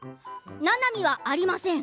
ななみはありません。